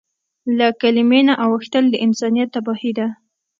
له کلیمې نه اوښتل د انسانیت تباهي ده.